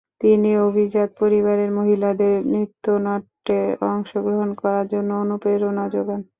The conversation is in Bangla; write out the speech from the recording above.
তিনি অভিজাত পরিবারের মহিলাদের নৃত্যনাট্যে অংশগ্রহণ করার জন্য অনুপ্রেরণা যোগান।